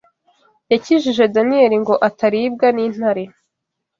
Yakijije Daniyeli ngo ataribwa n’intare